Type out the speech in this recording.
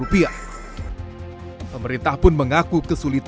pemerintah pun mengaku kesulitan